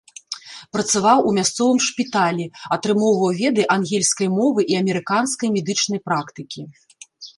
Працаваў у мясцовым шпіталі, атрымоўваў веды ангельскай мовы і амерыканскай медычнай практыкі.